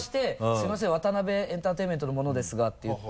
「すみませんワタナベエンターテインメントの者ですが」って言って。